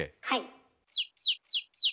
はい。